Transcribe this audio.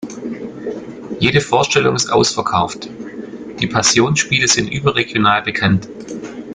Jede Vorstellung ist ausverkauft; die Passionsspiele sind überregional bekannt.